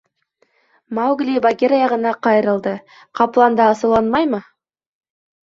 Маугли Багира яғына ҡайырылды: ҡаплан да асыуланмаймы?